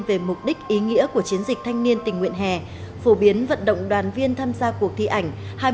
về mục đích ý nghĩa của chiến dịch thanh niên tình nguyện hè phổ biến vận động đoàn viên tham gia cuộc thi ảnh